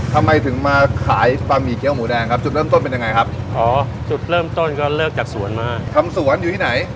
ทำไมถึงมาขายบะหมี่เกี้ยหมูแดงครับจุดเริ่มต้นเป็นยังไงครับอ๋อจุดเริ่มต้นก็เลิกจากสวนมาทำสวนอยู่ที่ไหน